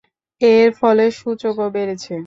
এর ফলে সূচকও বেড়েছে।